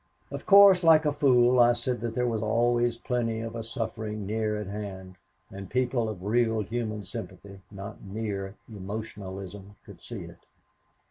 Of course, like a fool, I said that there was always plenty of a suffering near at hand, and people of real human sympathy, not mere emotionalism, could see it.